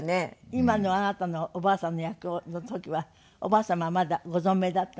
今のあなたのおばあさんの役の時はおばあ様はまだご存命だったの？